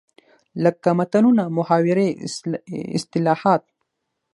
لکه متلونه، محاورې ،اصطلاحات